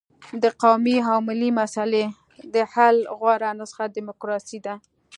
د قومي او ملي مسلې د حل غوره نسخه ډیموکراسي ده.